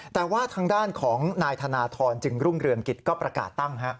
แต่ว่าทางด้านของนายธนทรจึงรุ่งเรืองกิจก็ประกาศตั้ง